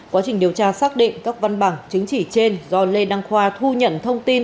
quá trình điều tra xác định các văn bằng chứng chỉ trên do lê đăng khoa thu nhận thông tin